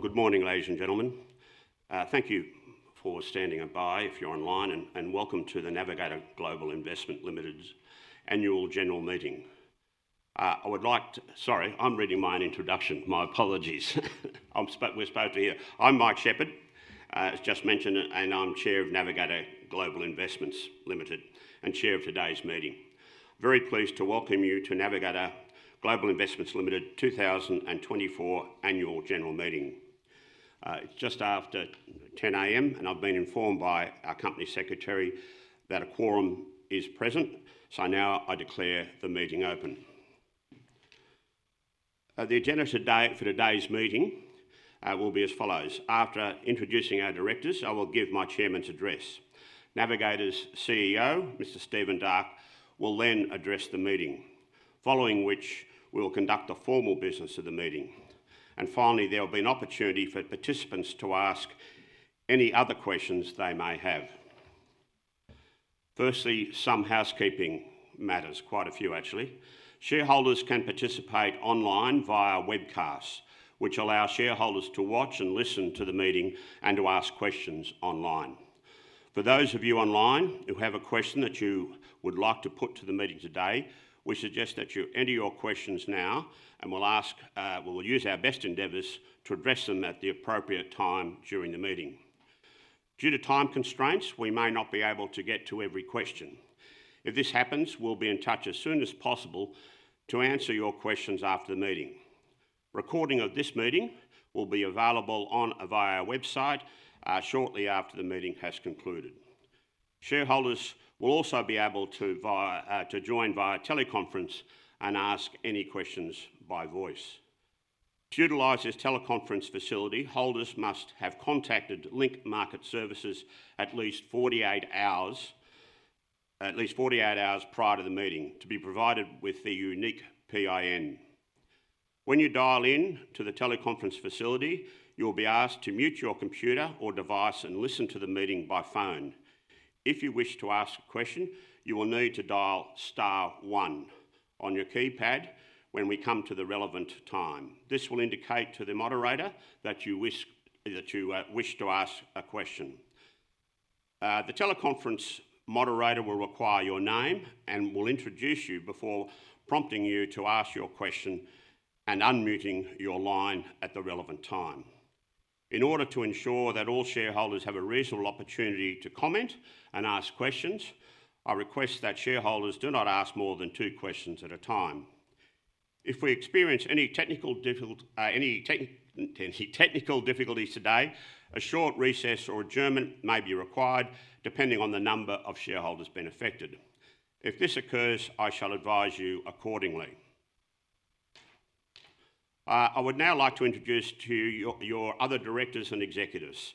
Good morning, ladies and gentlemen. Thank you for standing by if you're online, and welcome to the Navigator Global Investments Limited's annual general meeting. I would like - sorry, I'm reading my own introduction. My apologies. We're supposed to be here. I'm Mike Shepherd, as just mentioned, and I'm Chair of Navigator Global Investments Limited and Chair of today's meeting. Very pleased to welcome you to Navigator Global Investments Limited's 2024 annual general meeting. It's just after 10:00 A.M., and I've been informed by our company secretary that a quorum is present, so now I declare the meeting open. The agenda for today's meeting will be as follows: after introducing our directors, I will give my chairman's address. Navigator's CEO, Mr. Stephen Darke, will then address the meeting, following which we will conduct the formal business of the meeting. Finally, there will be an opportunity for participants to ask any other questions they may have. Firstly, some housekeeping matters - quite a few, actually. Shareholders can participate online via webcasts, which allow shareholders to watch and listen to the meeting and to ask questions online. For those of you online who have a question that you would like to put to the meeting today, we suggest that you enter your questions now, and we'll use our best endeavors to address them at the appropriate time during the meeting. Due to time constraints, we may not be able to get to every question. If this happens, we'll be in touch as soon as possible to answer your questions after the meeting. Recording of this meeting will be available via our website shortly after the meeting has concluded. Shareholders will also be able to join via teleconference and ask any questions by voice. To utilize this teleconference facility, holders must have contacted Link Market Services at least 48 hours prior to the meeting to be provided with the unique PIN. When you dial in to the teleconference facility, you'll be asked to mute your computer or device and listen to the meeting by phone. If you wish to ask a question, you will need to dial star one on your keypad when we come to the relevant time. This will indicate to the moderator that you wish to ask a question. The teleconference moderator will require your name and will introduce you before prompting you to ask your question and unmuting your line at the relevant time. In order to ensure that all shareholders have a reasonable opportunity to comment and ask questions, I request that shareholders do not ask more than two questions at a time. If we experience any technical difficulties today, a short recess or adjournment may be required, depending on the number of shareholders being affected. If this occurs, I shall advise you accordingly. I would now like to introduce to you your other directors and executives.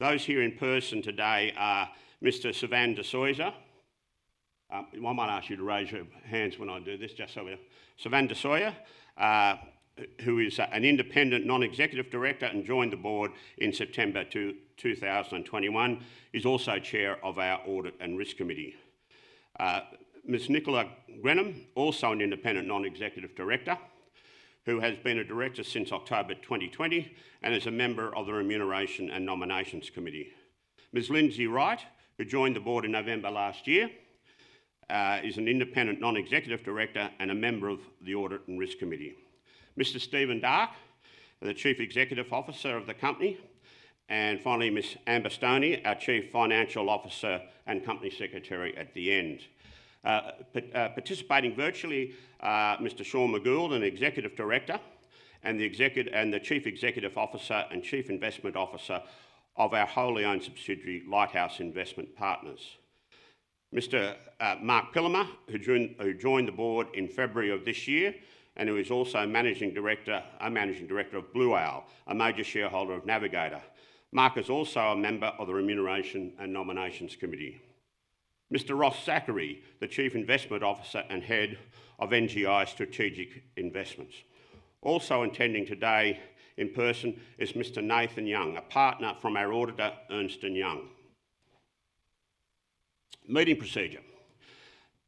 Those here in person today are Mr. Suvan de Soysa. I might ask you to raise your hands when I do this, just so we know. Suvan de Soysa, who is an independent non-executive director and joined the board in September 2021, is also chair of our Audit and Risk Committee. Ms. Nicola Grenham, also an independent non-executive director, who has been a director since October 2020 and is a member of the Remuneration and Nominations Committee. Ms. Lindsay Wright, who joined the board in November last year, is an independent non-executive director and a member of the Audit and Risk Committee. Mr. Stephen Darke, the Chief Executive Officer of the company. And finally, Ms. Amber Stoney, our Chief Financial Officer and Company Secretary at the end. Participating virtually, Mr. Sean McGould, an Executive Director and the Chief Executive Officer and Chief Investment Officer of our wholly-owned subsidiary, Lighthouse Investment Partners. Mr. Marc Pillemer, who joined the board in February of this year and who is also a Managing Director of Blue Owl, a major shareholder of Navigator. Marc is also a member of the Remuneration and Nominations Committee. Mr. Ross Zachary, the Chief Investment Officer and Head of NGI Strategic Investments. Also attending today in person is Mr. Nathan Young, a partner from our auditor, Ernst & Young. Meeting procedure.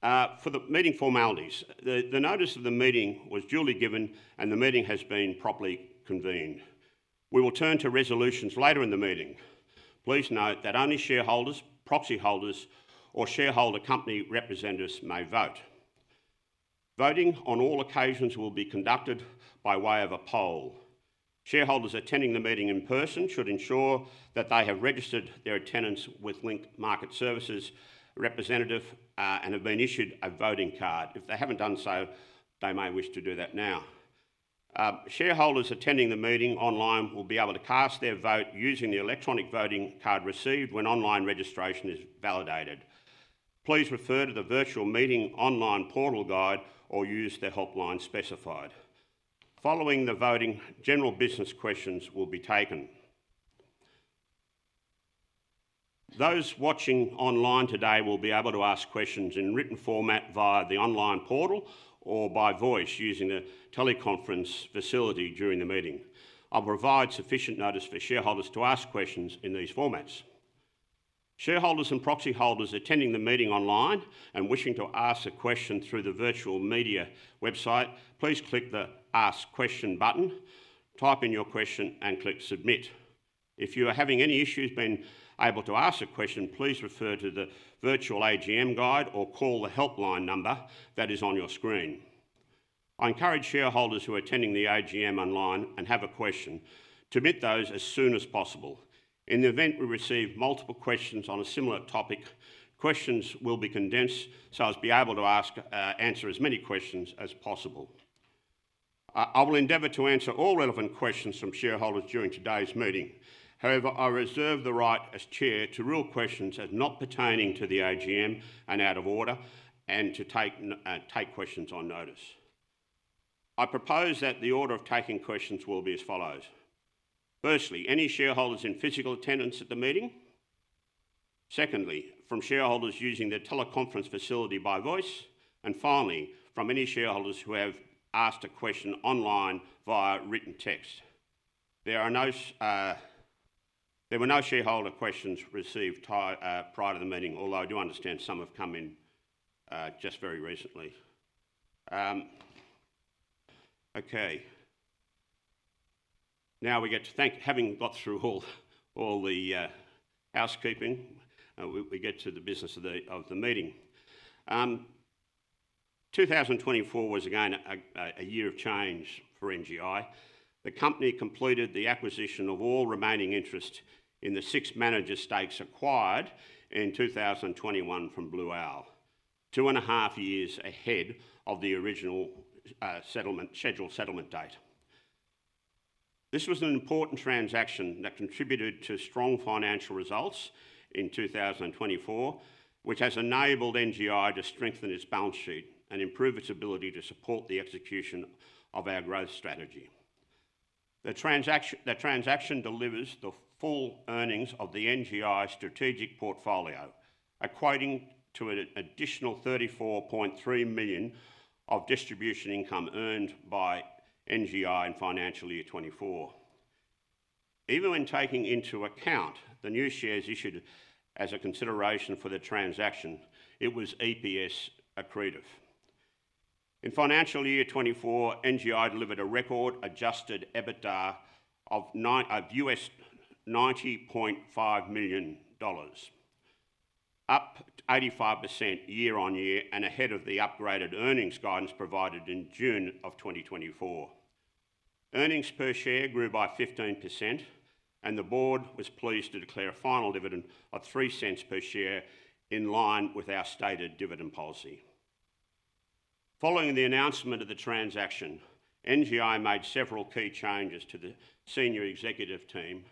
For the meeting formalities, the notice of the meeting was duly given, and the meeting has been properly convened. We will turn to resolutions later in the meeting. Please note that only shareholders, proxy holders, or shareholder company representatives may vote. Voting on all occasions will be conducted by way of a poll. Shareholders attending the meeting in person should ensure that they have registered their attendance with Link Market Services representative and have been issued a voting card. If they haven't done so, they may wish to do that now. Shareholders attending the meeting online will be able to cast their vote using the electronic voting card received when online registration is validated. Please refer to the virtual meeting online portal guide or use the helpline specified. Following the voting, general business questions will be taken. Those watching online today will be able to ask questions in written format via the online portal or by voice using the teleconference facility during the meeting. I'll provide sufficient notice for shareholders to ask questions in these formats. Shareholders and proxy holders attending the meeting online and wishing to ask a question through the virtual meeting website, please click the Ask Question button, type in your question, and click Submit. If you are having any issues being able to ask a question, please refer to the virtual AGM guide or call the helpline number that is on your screen. I encourage shareholders who are attending the AGM online and have a question to submit those as soon as possible. In the event we receive multiple questions on a similar topic, questions will be condensed so I'll be able to answer as many questions as possible. I will endeavor to answer all relevant questions from shareholders during today's meeting. However, I reserve the right as Chair to rule questions as not pertaining to the AGM and out of order, and to take questions on notice. I propose that the order of taking questions will be as follows. First, any shareholders in physical attendance at the meeting. Second, from shareholders using the teleconference facility by voice. And finally, from any shareholders who have asked a question online via written text. There were no shareholder questions received prior to the meeting, although I do understand some have come in just very recently. Okay. Now, having got through all the housekeeping, we get to the business of the meeting. 2024 was again a year of change for NGI. The company completed the acquisition of all remaining interest in the six manager stakes acquired in 2021 from Blue Owl, two and a half years ahead of the original scheduled settlement date. This was an important transaction that contributed to strong financial results in 2024, which has enabled NGI to strengthen its balance sheet and improve its ability to support the execution of our growth strategy. The transaction delivers the full earnings of the NGI Strategic portfolio, equating to an additional $34.3 million of distribution income earned by NGI in financial year 2024. Even when taking into account the new shares issued as a consideration for the transaction, it was EPS accretive. In financial year 2024, NGI delivered a record adjusted EBITDA of $90.5 million, up 85% year-on-year and ahead of the upgraded earnings guidance provided in June of 2024. Earnings per share grew by 15%, and the board was pleased to declare a final dividend of 0.03 per share in line with our stated dividend policy. Following the announcement of the transaction, NGI made several key changes to the senior executive team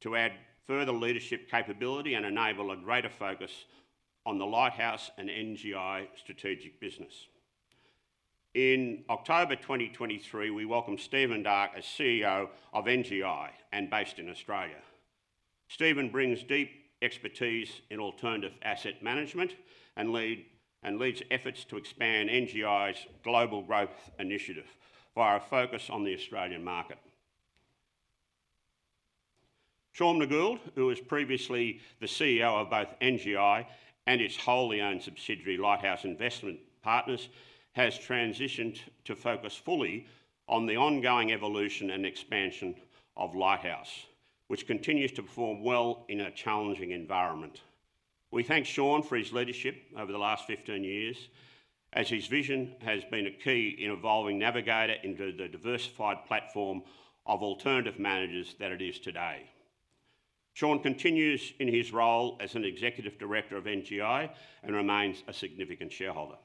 to add further leadership capability and enable a greater focus on the Lighthouse and NGI Strategic business. In October 2023, we welcomed Stephen Darke, CEO of NGI and based in Australia. Stephen brings deep expertise in alternative asset management and leads efforts to expand NGI's global growth initiative via a focus on the Australian market. Sean McGould, who was previously the CEO of both NGI and its wholly-owned subsidiary, Lighthouse Investment Partners, has transitioned to focus fully on the ongoing evolution and expansion of Lighthouse, which continues to perform well in a challenging environment. We thank Sean for his leadership over the last 15 years, as his vision has been a key in evolving Navigator into the diversified platform of alternative managers that it is today. Sean continues in his role as an Executive Director of NGI and remains a significant shareholder.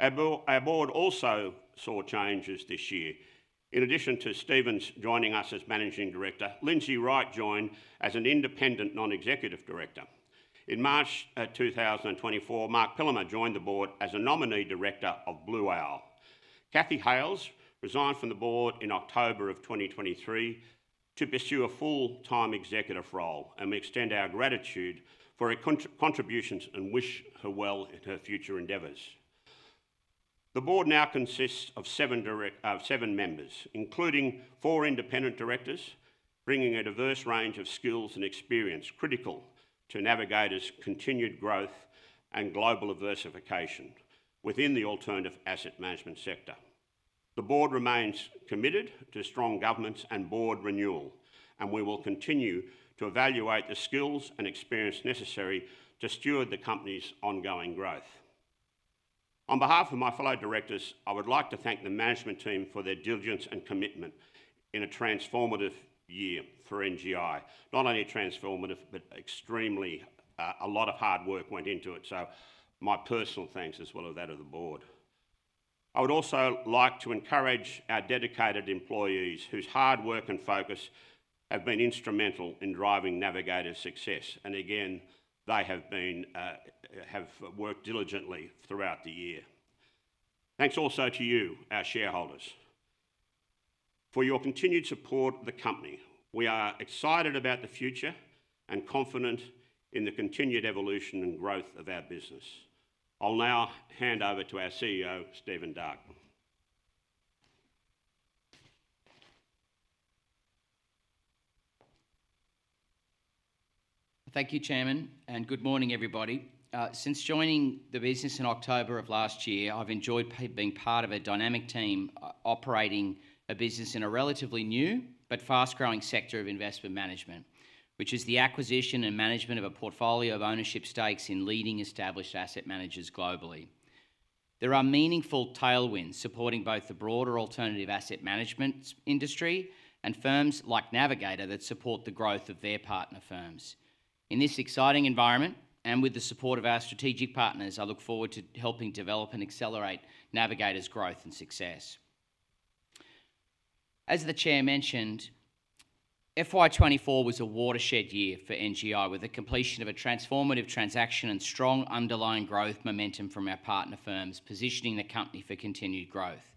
Our board also saw changes this year. In addition to Stephen joining us as Managing Director, Lindsay Wright joined as an independent non-executive director. In March 2024, Marc Pillemer joined the board as a nominee director of Blue Owl. Cathy Hales resigned from the board in October of 2023 to pursue a full-time executive role, and we extend our gratitude for her contributions and wish her well in her future endeavors. The board now consists of seven members, including four independent directors, bringing a diverse range of skills and experience critical to Navigator's continued growth and global diversification within the alternative asset management sector. The board remains committed to strong governance and board renewal, and we will continue to evaluate the skills and experience necessary to steward the company's ongoing growth. On behalf of my fellow directors, I would like to thank the management team for their diligence and commitment in a transformative year for NGI. Not only transformative, but extremely a lot of hard work went into it, so my personal thanks as well as that of the board. I would also like to encourage our dedicated employees whose hard work and focus have been instrumental in driving Navigator's success, and again, they have worked diligently throughout the year. Thanks also to you, our shareholders, for your continued support of the company. We are excited about the future and confident in the continued evolution and growth of our business. I'll now hand over to our CEO, Stephen Darke. Thank you, Chairman, and good morning, everybody. Since joining the business in October of last year, I've enjoyed being part of a dynamic team operating a business in a relatively new but fast-growing sector of investment management, which is the acquisition and management of a portfolio of ownership stakes in leading established asset managers globally. There are meaningful tailwinds supporting both the broader alternative asset management industry and firms like Navigator that support the growth of their partner firms. In this exciting environment and with the support of our strategic partners, I look forward to helping develop and accelerate Navigator's growth and success. As the Chair mentioned, FY 2024 was a watershed year for NGI with the completion of a transformative transaction and strong underlying growth momentum from our partner firms, positioning the company for continued growth.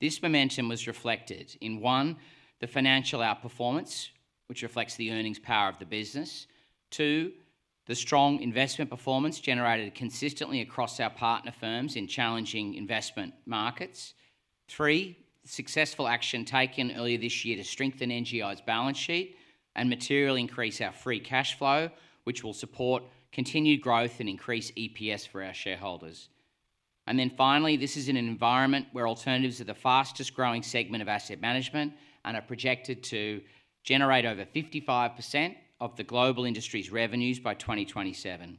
This momentum was reflected in, one, the financial outperformance, which reflects the earnings power of the business. Two, the strong investment performance generated consistently across our partner firms in challenging investment markets. Three, successful action taken earlier this year to strengthen NGI's balance sheet and materially increase our free cash flow, which will support continued growth and increase EPS for our shareholders. And then finally, this is in an environment where alternatives are the fastest-growing segment of asset management and are projected to generate over 55% of the global industry's revenues by 2027.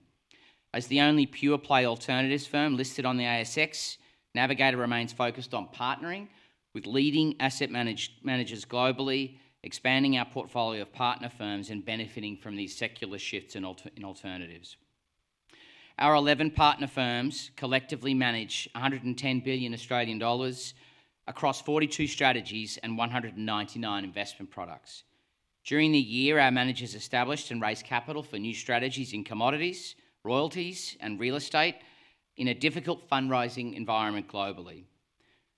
As the only pure-play alternatives firm listed on the ASX, Navigator remains focused on partnering with leading asset managers globally, expanding our portfolio of partner firms and benefiting from these secular shifts in alternatives. Our 11 partner firms collectively manage $110 billion across 42 strategies and 199 investment products. During the year, our managers established and raised capital for new strategies in commodities, royalties, and real estate in a difficult fundraising environment globally.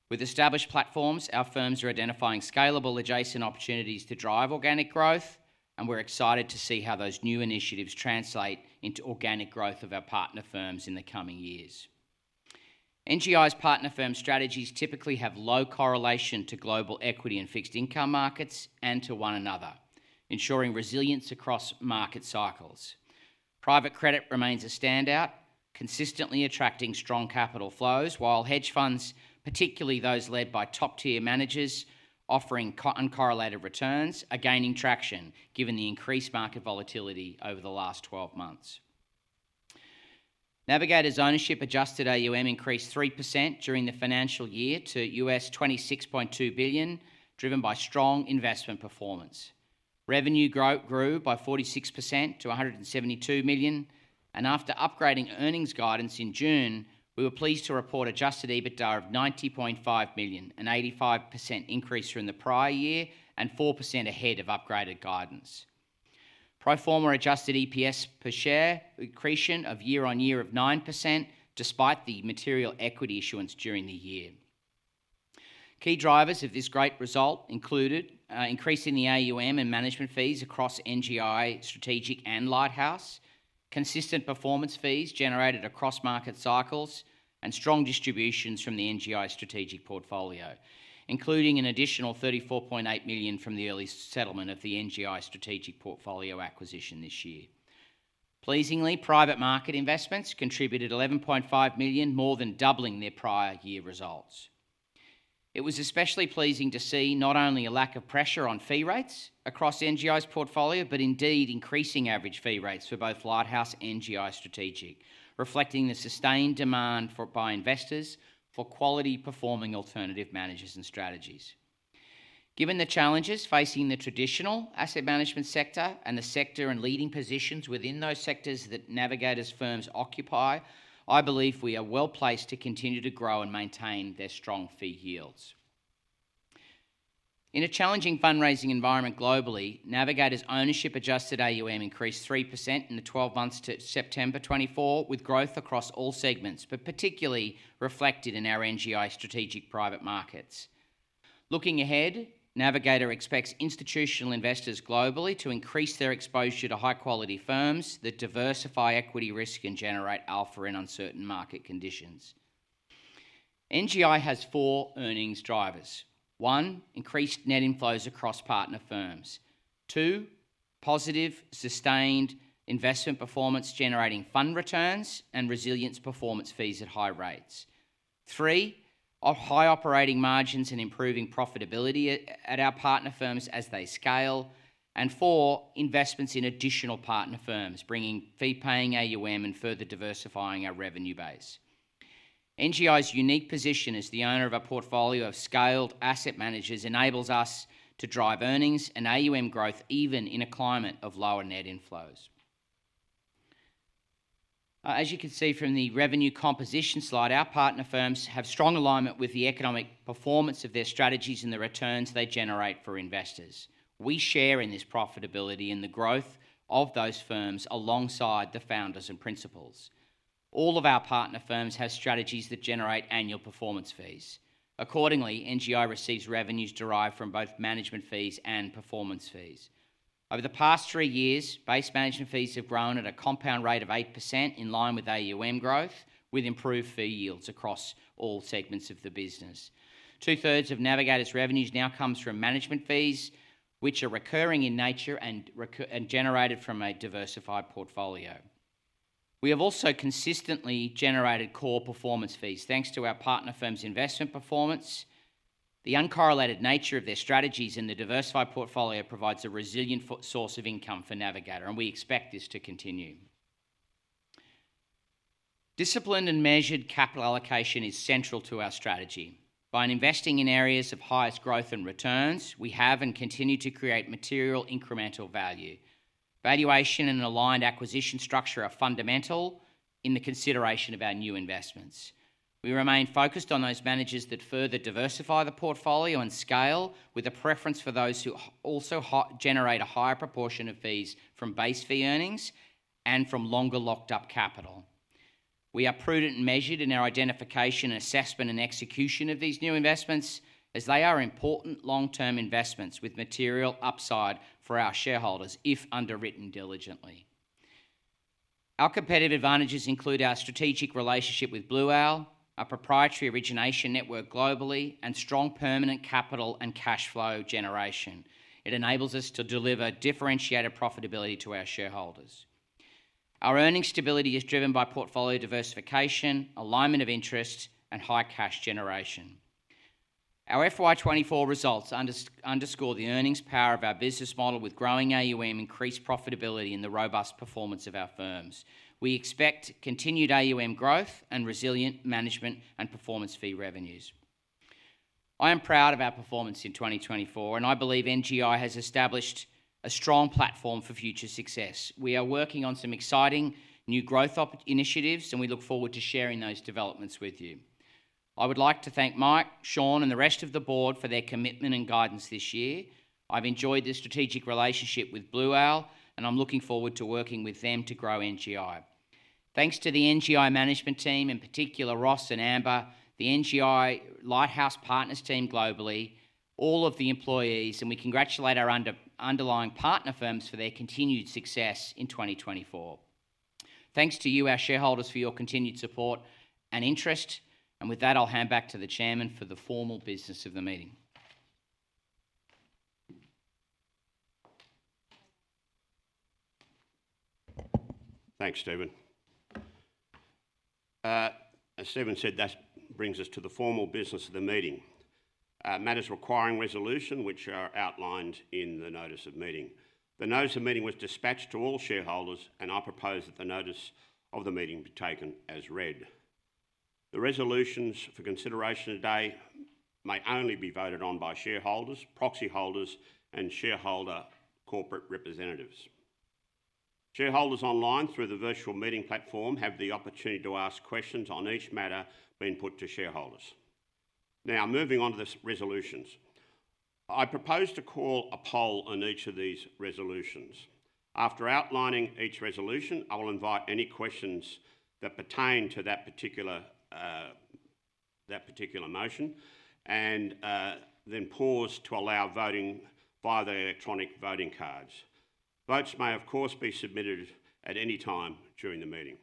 With established platforms, our firms are identifying scalable adjacent opportunities to drive organic growth, and we're excited to see how those new initiatives translate into organic growth of our partner firms in the coming years. NGI's partner firm strategies typically have low correlation to global equity and fixed income markets and to one another, ensuring resilience across market cycles. Private credit remains a standout, consistently attracting strong capital flows, while hedge funds, particularly those led by top-tier managers offering uncorrelated returns, are gaining traction given the increased market volatility over the last 12 months. Navigator's ownership adjusted AUM increased 3% during the financial year to $26.2 billion, driven by strong investment performance. Revenue grew by 46% to $172 million. And after upgrading earnings guidance in June, we were pleased to report adjusted EBITDA of $90.5 million, an 85% increase from the prior year and 4% ahead of upgraded guidance. Pro forma adjusted EPS per share increase of year-on-year of 9% despite the material equity issuance during the year. Key drivers of this great result included increasing the AUM and management fees across NGI Strategic and Lighthouse, consistent performance fees generated across market cycles, and strong distributions from the NGI Strategic portfolio, including an additional $34.8 million from the early settlement of the NGI Strategic portfolio acquisition this year. Pleasingly, private market investments contributed $11.5 million, more than doubling their prior year results. It was especially pleasing to see not only a lack of pressure on fee rates across NGI's portfolio, but indeed increasing average fee rates for both Lighthouse and NGI Strategic, reflecting the sustained demand by investors for quality-performing alternative managers and strategies. Given the challenges facing the traditional asset management sector and the sector and leading positions within those sectors that Navigator's firms occupy, I believe we are well placed to continue to grow and maintain their strong fee yields. In a challenging fundraising environment globally, Navigator's ownership adjusted AUM increased 3% in the 12 months to September 2024, with growth across all segments, but particularly reflected in our NGI Strategic private markets. Looking ahead, Navigator expects institutional investors globally to increase their exposure to high-quality firms that diversify equity risk and generate alpha in uncertain market conditions. NGI has four earnings drivers. One, increased net inflows across partner firms. Two, positive, sustained investment performance generating fund returns and resilience performance fees at high rates. Three, high operating margins and improving profitability at our partner firms as they scale. And four, investments in additional partner firms, bringing fee-paying AUM and further diversifying our revenue base. NGI's unique position as the owner of a portfolio of scaled asset managers enables us to drive earnings and AUM growth even in a climate of lower net inflows. As you can see from the revenue composition slide, our partner firms have strong alignment with the economic performance of their strategies and the returns they generate for investors. We share in this profitability and the growth of those firms alongside the founders and principals. All of our partner firms have strategies that generate annual performance fees. Accordingly, NGI receives revenues derived from both management fees and performance fees. Over the past three years, base management fees have grown at a compound rate of 8% in line with AUM growth, with improved fee yields across all segments of the business. Two-thirds of Navigator's revenues now comes from management fees, which are recurring in nature and generated from a diversified portfolio. We have also consistently generated core performance fees, thanks to our partner firms' investment performance. The uncorrelated nature of their strategies and the diversified portfolio provides a resilient source of income for Navigator, and we expect this to continue. Disciplined and measured capital allocation is central to our strategy. By investing in areas of highest growth and returns, we have and continue to create material incremental value. Valuation and aligned acquisition structure are fundamental in the consideration of our new investments. We remain focused on those managers that further diversify the portfolio and scale, with a preference for those who also generate a higher proportion of fees from base fee earnings and from longer locked-up capital. We are prudent and measured in our identification, assessment, and execution of these new investments, as they are important long-term investments with material upside for our shareholders if underwritten diligently. Our competitive advantages include our strategic relationship with Blue Owl, our proprietary origination network globally, and strong permanent capital and cash flow generation. It enables us to deliver differentiated profitability to our shareholders. Our earnings stability is driven by portfolio diversification, alignment of interests, and high cash generation. Our FY 2024 results underscore the earnings power of our business model with growing AUM, increased profitability, and the robust performance of our firms. We expect continued AUM growth and resilient management and performance fee revenues. I am proud of our performance in 2024, and I believe NGI has established a strong platform for future success. We are working on some exciting new growth initiatives, and we look forward to sharing those developments with you. I would like to thank Mike, Sean, and the rest of the board for their commitment and guidance this year. I've enjoyed the strategic relationship with Blue Owl, and I'm looking forward to working with them to grow NGI. Thanks to the NGI management team, in particular Ross and Amber, the NGI Lighthouse partners team globally, all of the employees, and we congratulate our underlying partner firms for their continued success in 2024. Thanks to you, our shareholders, for your continued support and interest, and with that, I'll hand back to the Chairman for the formal business of the meeting. Thanks, Stephen. As Stephen said, that brings us to the formal business of the meeting, matters requiring resolution, which are outlined in the notice of meeting. The notice of meeting was dispatched to all shareholders, and I propose that the notice of the meeting be taken as read. The resolutions for consideration today may only be voted on by shareholders, proxy holders, and shareholder corporate representatives. Shareholders online through the virtual meeting platform have the opportunity to ask questions on each matter being put to shareholders. Now, moving on to the resolutions, I propose to call a poll on each of these resolutions. After outlining each resolution, I will invite any questions that pertain to that particular motion and then pause to allow voting via the electronic voting cards. Votes may, of course, be submitted at any time during the meeting.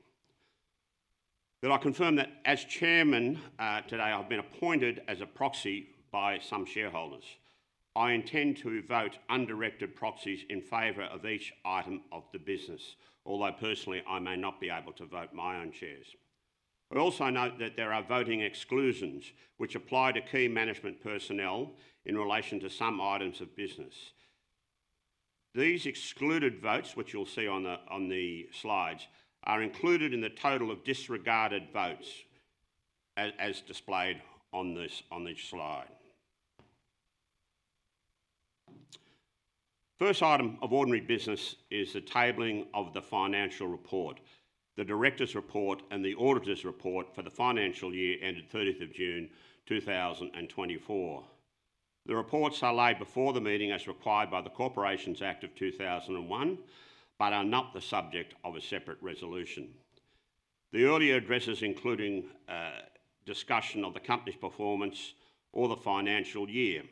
But I confirm that as Chairman today, I've been appointed as a proxy by some shareholders. I intend to vote undirected proxies in favor of each item of the business, although personally, I may not be able to vote my own shares. I also note that there are voting exclusions which apply to key management personnel in relation to some items of business. These excluded votes, which you'll see on the slides, are included in the total of disregarded votes as displayed on this slide. First item of ordinary business is the tabling of the financial report, the director's report, and the auditor's report for the financial year ended 30th of June 2024. The reports are laid before the meeting as required by the Corporations Act 2001 but are not the subject of a separate resolution. The earlier addresses included discussion of the company's performance or the financial year.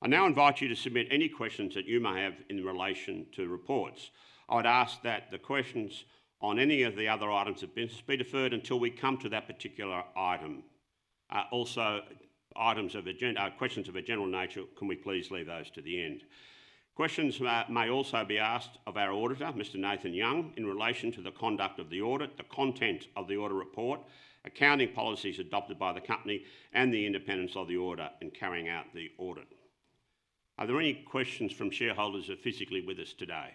I now invite you to submit any questions that you may have in relation to reports. I would ask that the questions on any of the other items be deferred until we come to that particular item. Also, questions of a general nature, can we please leave those to the end? Questions may also be asked of our auditor, Mr. Nathan Young, in relation to the conduct of the audit, the content of the audit report, accounting policies adopted by the company, and the independence of the auditor in carrying out the audit. Are there any questions from shareholders who are physically with us today?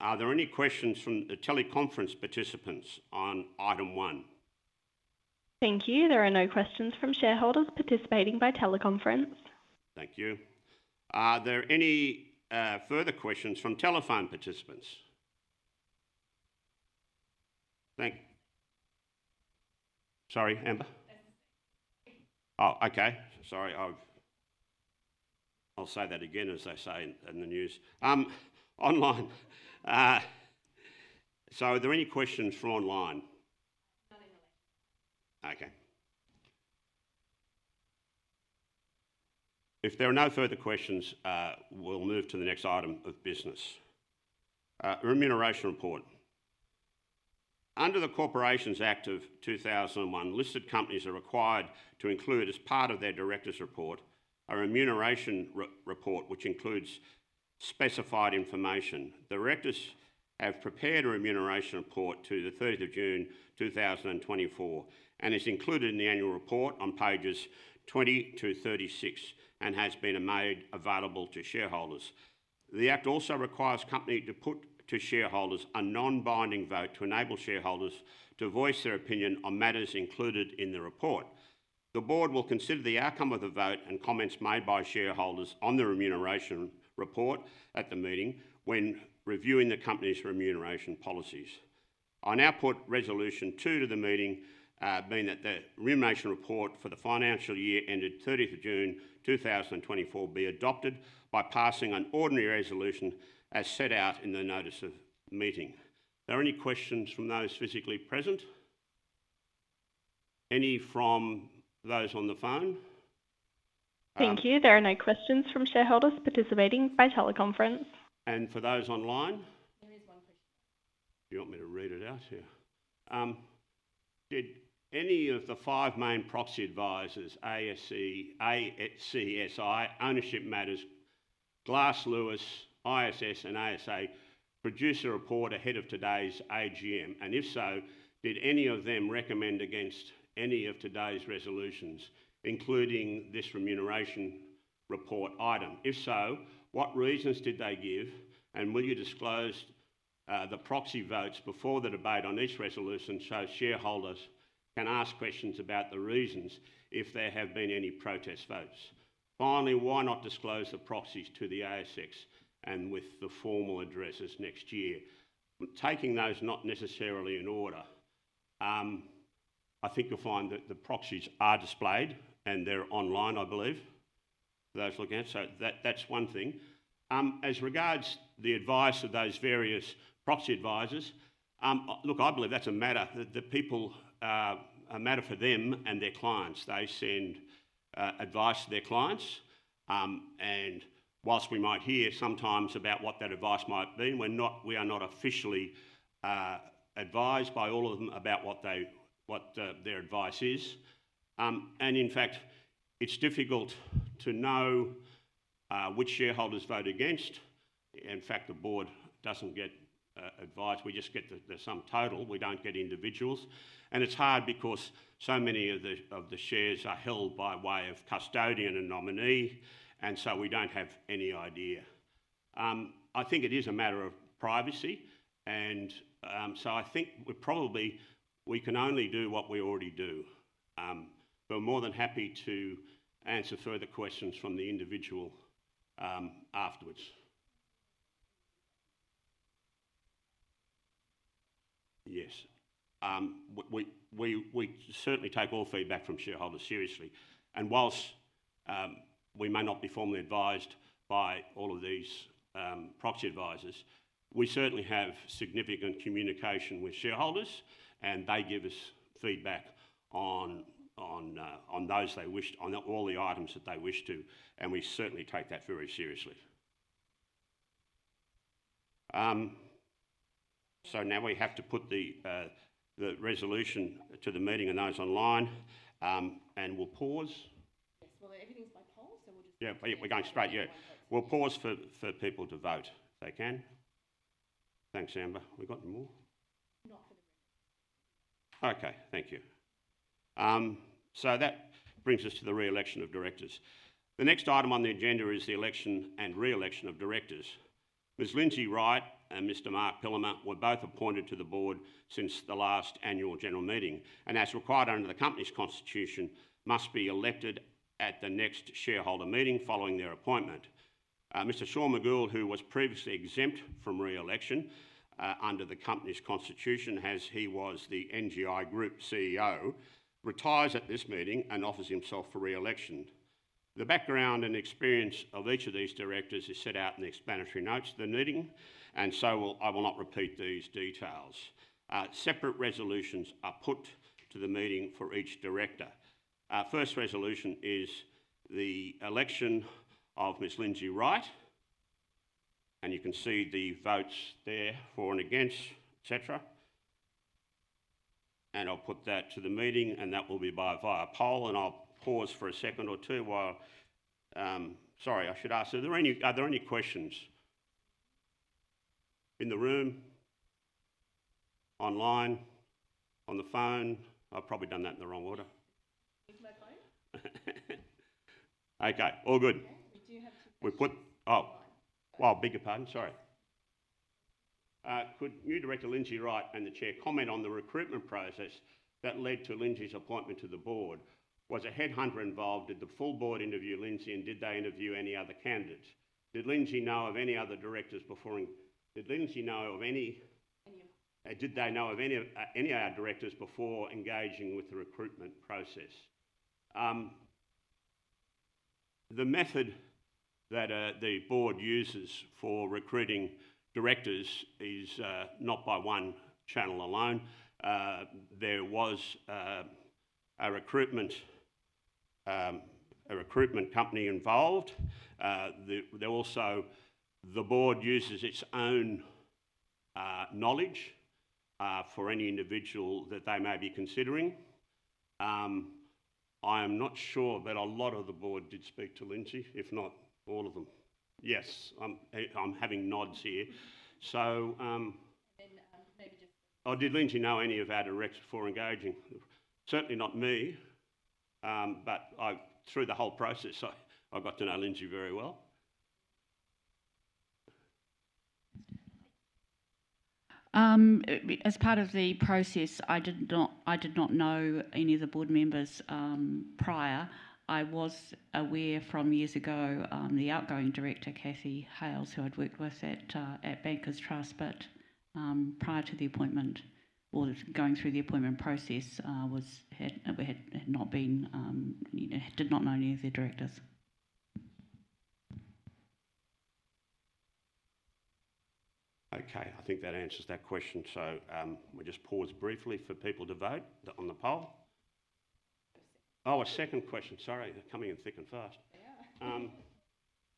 Are there any questions from the teleconference participants on item one? Thank you. There are no questions from shareholders participating by teleconference. Thank you. Are there any further questions from telephone participants? Thank you. Sorry, Amber. Oh, okay. Sorry. I'll say that again, as they say in the news online. So are there any questions from online? None in the list. Okay. If there are no further questions, we'll move to the next item of business, remuneration report. Under the Corporations Act of 2001, listed companies are required to include as part of their director's report a remuneration report which includes specified information. The directors have prepared a Remuneration Report to the 30th of June 2024, and it's included in the annual report on pages 20 to 36 and has been made available to shareholders. The act also requires companies to put to shareholders a non-binding vote to enable shareholders to voice their opinion on matters included in the report. The board will consider the outcome of the vote and comments made by shareholders on the Remuneration Report at the meeting when reviewing the company's remuneration policies. I now put resolution two to the meeting, being that the Remuneration Report for the financial year ended 30th of June 2024 be adopted by passing an ordinary resolution as set out in the notice of meeting. Are there any questions from those physically present? Any from those on the phone? Thank you. There are no questions from shareholders participating by teleconference. And for those online? There is one question. You want me to read it out here? Did any of the five main proxy advisors, ASA, ACSI, Ownership Matters, Glass Lewis, ISS, and ASA produce a report ahead of today's AGM? And if so, did any of them recommend against any of today's resolutions, including this remuneration report item? If so, what reasons did they give? And will you disclose the proxy votes before the debate on each resolution so shareholders can ask questions about the reasons if there have been any protest votes? Finally, why not disclose the proxies to the ASX and with the formal addresses next year, taking those not necessarily in order? I think you'll find that the proxies are displayed and they're online, I believe, for those looking at it. So that's one thing. As regards the advice of those various proxy advisors, look, I believe that's a matter that people are a matter for them and their clients. They send advice to their clients. And while we might hear sometimes about what that advice might be, we are not officially advised by all of them about what their advice is. And in fact, it's difficult to know which shareholders voted against. In fact, the board doesn't get advice. We just get the sum total. We don't get individuals. And it's hard because so many of the shares are held by way of custodian and nominee, and so we don't have any idea. I think it is a matter of privacy. And so I think we probably can only do what we already do. But I'm more than happy to answer further questions from the individual afterwards. Yes. We certainly take all feedback from shareholders seriously. And while we may not be formally advised by all of these proxy advisors, we certainly have significant communication with shareholders, and they give us feedback on those they wished, on all the items that they wish to. And we certainly take that very seriously. So now we have to put the resolution to the meeting and those online, and we'll pause. Yes. Well, everything's by poll, so we'll just. Yeah. We're going straight. Yeah. We'll pause for people to vote if they can. Thanks, Amber. We've got no more. Not for the remuneration. Okay. Thank you. So that brings us to the re-election of directors. The next item on the agenda is the election and re-election of directors. Ms. Lindsay Wright and Mr. Marc Pillemer were both appointed to the board since the last annual general meeting. As required under the company's constitution, must be elected at the next shareholder meeting following their appointment. Mr. Sean McGould, who was previously exempt from re-election under the company's constitution as he was the NGI Group CEO, retires at this meeting and offers himself for re-election. The background and experience of each of these directors is set out in the explanatory notes of the meeting, and so I will not repeat these details. Separate resolutions are put to the meeting for each director. First resolution is the election of Ms. Lindsay Wright. And you can see the votes there, for and against, etc. And I'll put that to the meeting, and that will be via poll. And I'll pause for a second or two. Sorry, I should ask you, are there any questions in the room, online, on the phone? I've probably done that in the wrong order. It's my phone. Okay. All good. We do have to. We put, oh, wow, bigger button. Sorry. Could new director Lindsay Wright and the chair comment on the recruitment process that led to Lindsay's appointment to the board? Was a headhunter involved? Did the full board interview Lindsay, and did they interview any other candidates? Did Lindsay know of any other directors before? Did they know of any of our directors before engaging with the recruitment process? The method that the board uses for recruiting directors is not by one channel alone. There was a recruitment company involved. Also, the board uses its own knowledge for any individual that they may be considering. I am not sure, but a lot of the board did speak to Lindsay, if not all of them. Yes. I'm having nods here. So. Then maybe just. Oh, did Lindsay know any of our directors before engaging? Certainly not me, but through the whole process, I got to know Lindsay very well. As part of the process, I did not know any of the board members prior. I was aware from years ago, the outgoing director, Cathy Hales, who I'd worked with at Bankers Trust, but prior to the appointment or going through the appointment process, we had not been. Did not know any of their directors. Okay. I think that answers that question. So we'll just pause briefly for people to vote on the poll. Oh, a second question. Sorry, coming in thick and fast.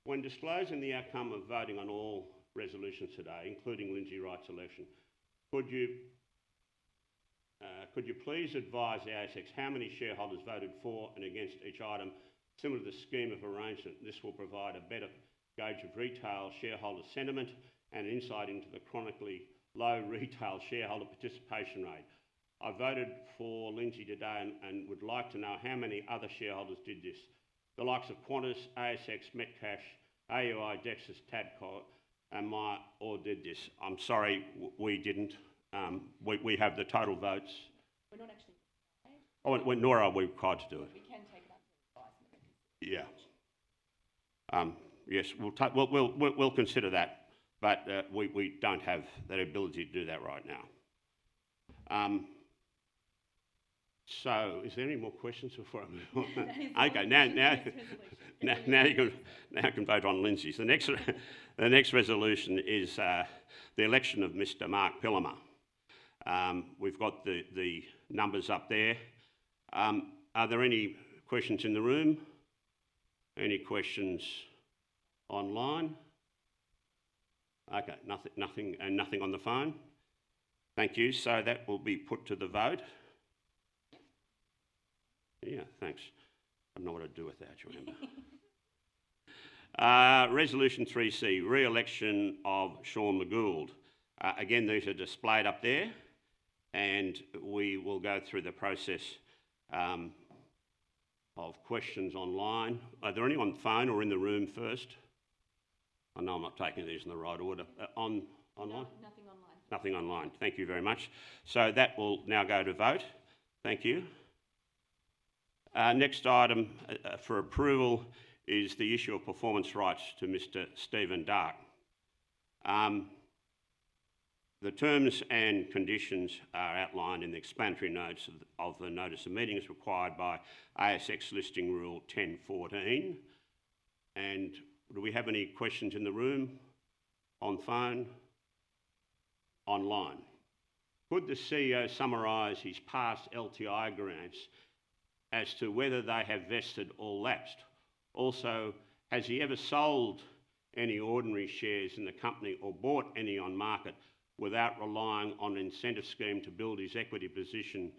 When disclosing the outcome of voting on all resolutions today, including Lindsay Wright's election, could you please advise ASX how many shareholders voted for and against each item? Similar to the scheme of arrangement, this will provide a better gauge of retail shareholder sentiment and insight into the chronically low retail shareholder participation rate. I voted for Lindsay today and would like to know how many other shareholders did this. The likes of Qantas, ASX, Metcash, AUI, Dexus, Tabcorp, and Myer did this? I'm sorry, we didn't. We have the total votes. We're not actually required. Nor are we required to do it. We can take it up to the advisement. Yeah. Yes. We'll consider that, but we don't have that ability to do that right now. So is there any more questions before I move on? Okay. Now you can vote on Lindsay. So the next resolution is the election of Mr. Marc Pillemer. We've got the numbers up there. Are there any questions in the room? Any questions online? Okay. Nothing on the phone. Thank you. So that will be put to the vote. Yeah. Thanks. I don't know what I'd do without you, Amber. Resolution 3C, re-election of Sean McGould. Again, these are displayed up there, and we will go through the process of questions online. Are there any on the phone or in the room first? I know I'm not taking these in the right order. Online. Nothing online. Nothing online. Thank you very much. So that will now go to vote. Thank you. Next item for approval is the issue of performance rights to Mr. Stephen Darke. The terms and conditions are outlined in the explanatory notes of the notice of meetings required by ASX Listing Rule 1014. And do we have any questions in the room, on the phone, online? Could the CEO summarise his past LTI grants as to whether they have vested or lapsed? Also, has he ever sold any ordinary shares in the company or bought any on market without relying on an incentive scheme to build his equity position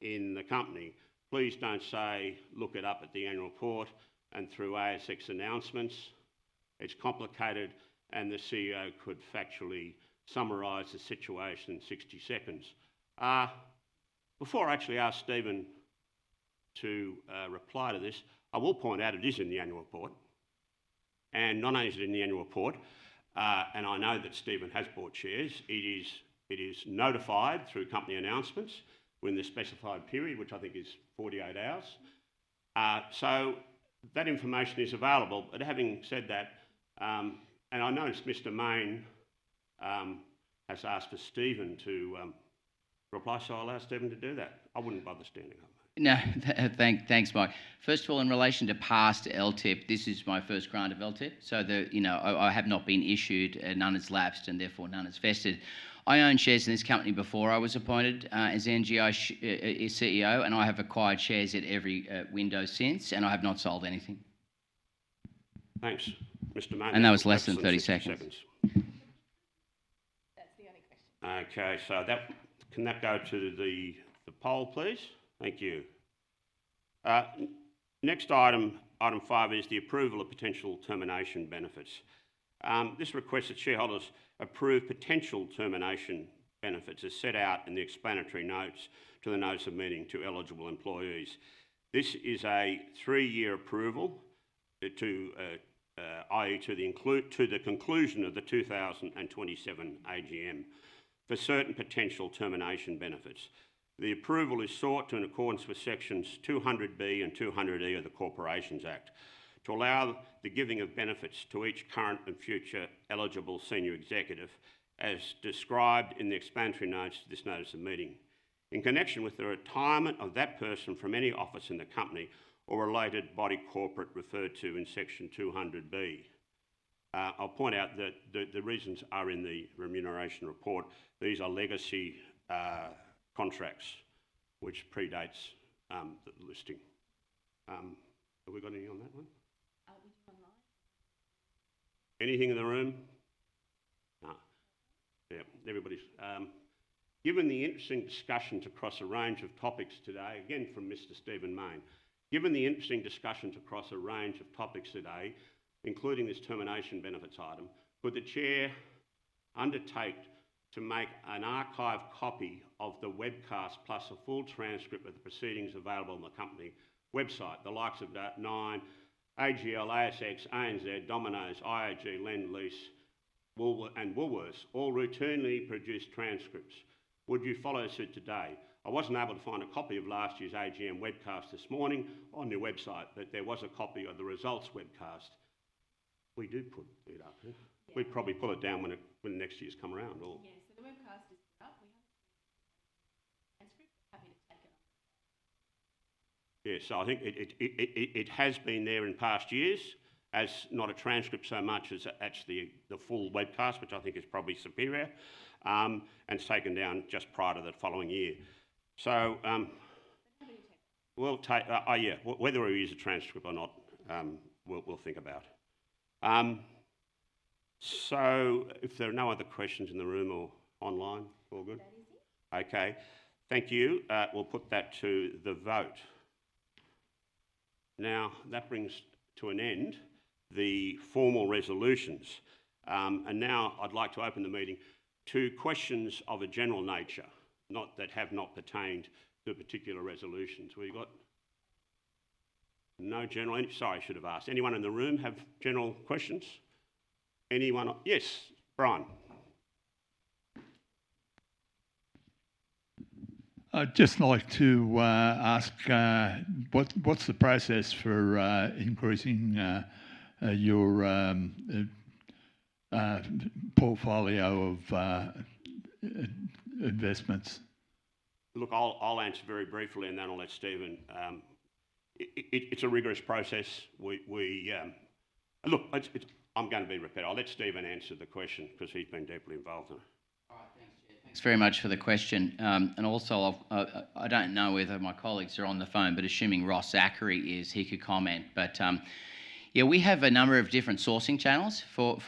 in the company? Please don't say, "Look it up at the annual report and through ASX announcements. It's complicated," and the CEO could factually summarise the situation in 60 seconds. Before I actually ask Stephen to reply to this, I will point out it is in the annual report. And not only is it in the annual report, and I know that Stephen has bought shares, it is notified through company announcements within the specified period, which I think is 48 hours. So that information is available. But having said that, and I noticed Mr. Mayne has asked for Stephen to reply, so I'll ask Stephen to do that. I wouldn't bother standing up. No. Thanks, Mike. First of all, in relation to past LTIP, this is my first grant of LTIP. So I have not been issued, and none has lapsed, and therefore none has vested. I owned shares in this company before I was appointed as NGI CEO, and I have acquired shares at every window since, and I have not sold anything. Thanks, Mr. Darke. And that was less than 30 seconds. That's the only question. Okay, so can that go to the poll, please? Thank you. Next item, item five, is the approval of potential termination benefits. This requests that shareholders approve potential termination benefits as set out in the explanatory notes to the notice of meeting to eligible employees. This is a three-year approval, i.e., to the conclusion of the 2027 AGM for certain potential termination benefits. The approval is sought in accordance with sections 200B and 200E of the Corporations Act to allow the giving of benefits to each current and future eligible senior executive as described in the explanatory notes to this notice of meeting in connection with the retirement of that person from any office in the company or related body corporate referred to in section 200B. I'll point out that the reasons are in the Remuneration Report. These are legacy contracts, which predates the listing. Have we got any on that one? We do online. Anything in the room? Yeah. Given the interesting discussion across a range of topics today, again, from Mr. Stephen Mayne, given the interesting discussion across a range of topics today, including this termination benefits item, could the chair undertake to make an archive copy of the webcast plus a full transcript of the proceedings available on the company website, the likes of AGL, ASX, ANZ, Domino's, IAG, Lendlease, and Woolworths, all routinely produce transcripts? Would you follow suit today? I wasn't able to find a copy of last year's AGM webcast this morning on the website, but there was a copy of the results webcast. We did put it up here. We'd probably pull it down when next year's come around or. Yes. The webcast is up. We have a transcript. We're happy to take it up. Yeah. So I think it has been there in past years as not a transcript so much as actually the full webcast, which I think is probably superior, and it's taken down just prior to the following year. So. But how many. We'll take, oh, yeah. Whether it is a transcript or not, we'll think about. So if there are no other questions in the room or online, all good? That is it. Okay. Thank you. We'll put that to the vote. Now, that brings to an end the formal resolutions. And now I'd like to open the meeting to questions of a general nature, not that have not pertained to particular resolutions. We've got no general, sorry, I should have asked. Anyone in the room have general questions? Anyone? Yes. Brian. I'd just like to ask, what's the process for increasing your portfolio of investments? Look, I'll answer very briefly, and then I'll let Stephen, it's a rigorous process. Look, I'm going to be repetitive. I'll let Stephen answer the question because he's been deeply involved in it. Thanks very much for the question. And also, I don't know whether my colleagues are on the phone, but assuming Ross Zachary is, he could comment. But yeah, we have a number of different sourcing channels for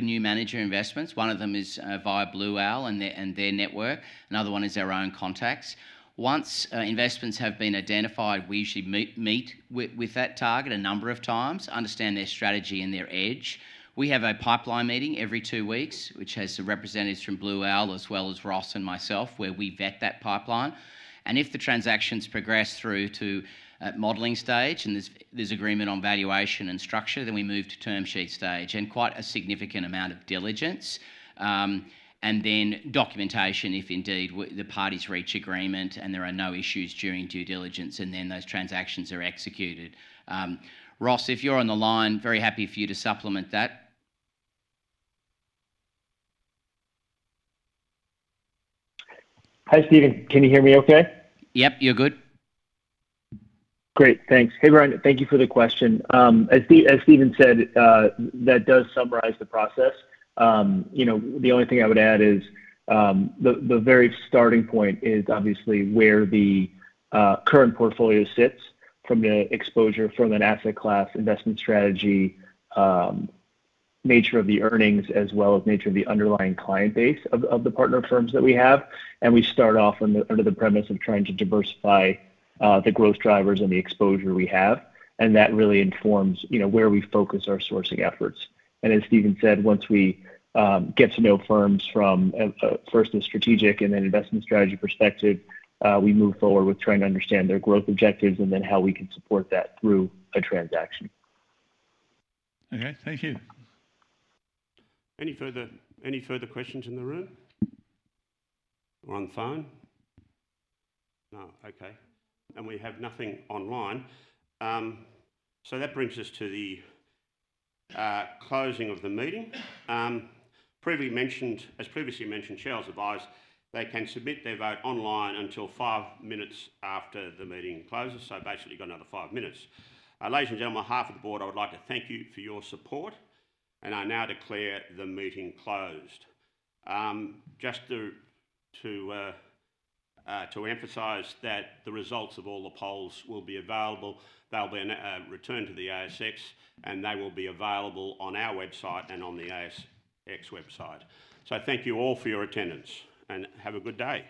new manager investments. One of them is via Blue Owl and their network. Another one is their own contacts. Once investments have been identified, we usually meet with that target a number of times, understand their strategy and their edge. We have a pipeline meeting every two weeks, which has the representatives from Blue Owl as well as Ross and myself, where we vet that pipeline. If the transactions progress through to modeling stage and there's agreement on valuation and structure, then we move to term sheet stage and quite a significant amount of diligence and then documentation if indeed the parties reach agreement and there are no issues during due diligence, and then those transactions are executed. Ross, if you're on the line, very happy for you to supplement that. Hi, Stephen. Can you hear me okay? Yep. You're good. Great. Thanks. Hey, Brian, thank you for the question. As Stephen said, that does summarize the process. The only thing I would add is the very starting point is obviously where the current portfolio sits from the exposure, from an asset class, investment strategy, nature of the earnings, as well as nature of the underlying client base of the partner firms that we have. And we start off under the premise of trying to diversify the growth drivers and the exposure we have. And that really informs where we focus our sourcing efforts. And as Stephen said, once we get to know firms from first a strategic and then investment strategy perspective, we move forward with trying to understand their growth objectives and then how we can support that through a transaction. Okay. Thank you. Any further questions in the room or on the phone? No. Okay. And we have nothing online. So that brings us to the closing of the meeting. As previously mentioned, shareholders advised they can submit their vote online until five minutes after the meeting closes. So basically, you've got another five minutes. Ladies and gentlemen, on behalf of the board, I would like to thank you for your support, and I now declare the meeting closed. Just to emphasize that the results of all the polls will be available. They'll be returned to the ASX, and they will be available on our website and on the ASX website. So thank you all for your attendance, and have a good day.